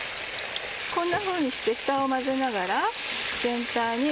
こんなふうにして下を混ぜながら全体に。